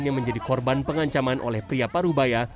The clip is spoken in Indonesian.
yang menjadi korban pengancaman oleh pria parubaya